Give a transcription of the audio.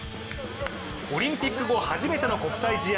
オリンピック後、初めての国際試合